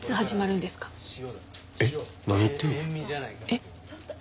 えっ。